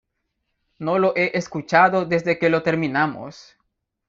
No lo he escuchado desde que lo terminamos.